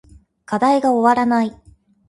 課題が終わらない